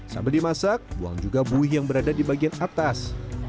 sambil dimasak buang juga buih yang berada di bagian atas